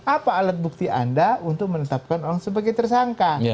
apa alat bukti anda untuk menetapkan orang sebagai tersangka